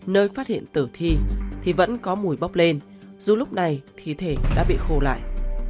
nơi phát hiện tử thi thì vẫn có mùi bốc lên dù lúc này thí thể đã bị khô lại